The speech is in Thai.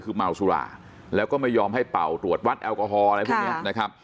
คือเมาสุราแล้วก็ไม่ยอมให้เป่าตรวจวัดแอลกอฮอล์อะไรพวกนี้นะครับ